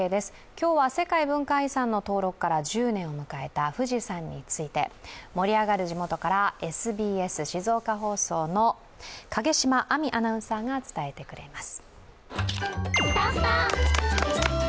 今日は世界文化遺産の登録から１０年を迎えた富士山について、盛り上がる地元から、ＳＢＳ静岡放送の影島亜美アナウンサーが伝えてくれます。